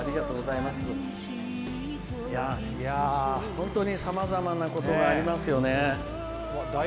本当にさまざまなことがありますよね。